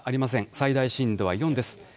最大震度は４です。